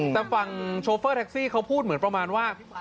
แต่ฝั่งโชเฟอร์แท็กซี่เขาพูดเหมือนประมาณว่า